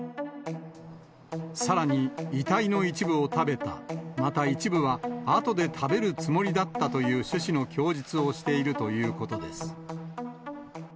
さらに、遺体の一部を食べた、また一部はあとで食べるつもりだったという趣旨の供述をしているということです。